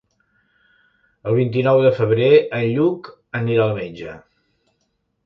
El vint-i-nou de febrer en Lluc anirà al metge.